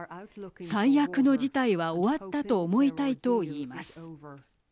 最悪の事態は終わったと思いたいと言います。